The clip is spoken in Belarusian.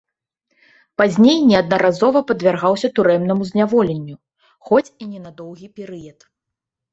Пазней неаднаразова падвяргаўся турэмнаму зняволенню, хоць і не на доўгі перыяд.